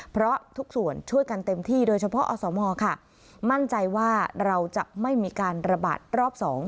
เพราะทุกส่วนช่วยกันเต็มที่โดยเฉพาะอสมค่ะมั่นใจว่าเราจะไม่มีการระบาดรอบ๒